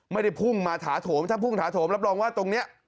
ไม่ได้พุ่งมาถาโถมถ้าพุ่งถาโถมรับรองว่าตรงนี้